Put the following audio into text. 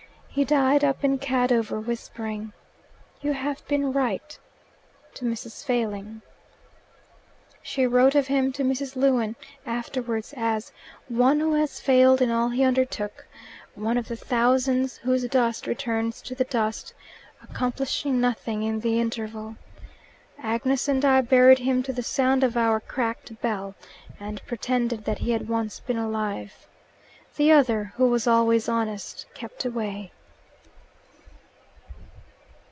He died up in Cadover, whispering, "You have been right," to Mrs. Failing. She wrote of him to Mrs. Lewin afterwards as "one who has failed in all he undertook; one of the thousands whose dust returns to the dust, accomplishing nothing in the interval. Agnes and I buried him to the sound of our cracked bell, and pretended that he had once been alive. The other, who was always honest, kept away."